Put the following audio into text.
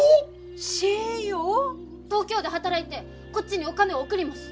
東京で働いてこっちにお金を送ります。